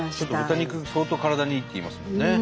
豚肉相当体にいいっていいますもんね。